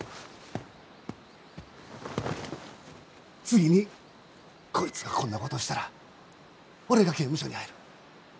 次にこいつがこんなことしたら俺が刑務所に入る。